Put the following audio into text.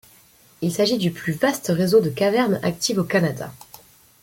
Il s'agit du plus vaste réseau de cavernes active au Canada.